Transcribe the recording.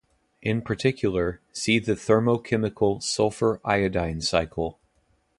In particular, see the thermochemical sulfur-iodine cycle.